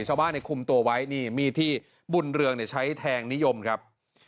ชาวบ้านเนี้ยคุมตัวไว้นี่มีที่บุญเรืองเนี้ยใช้แทงนิยมครับ